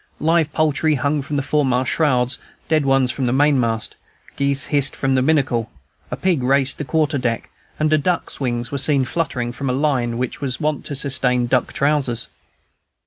Live poultry hung from the foremast shrouds, dead ones from the mainmast, geese hissed from the binnacle, a pig paced the quarter deck, and a duck's wings were seen fluttering from a line which was wont to sustain duck trousers.